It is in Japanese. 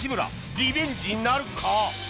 リベンジなるか？